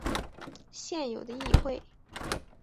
现有的议会。